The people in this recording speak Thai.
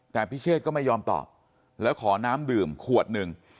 แต่พิเชษก็ไม่ยอมตอบแล้วขอน้ำดื่มขวดหนึ่ง